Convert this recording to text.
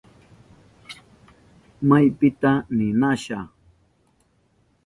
¿Maypita ninasha?